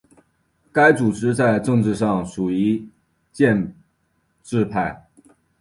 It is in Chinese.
该组织在政治上属于建制派。